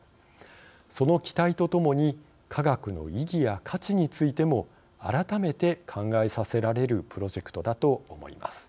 その期待とともに科学の意義や価値についても改めて考えさせられるプロジェクトだと思います。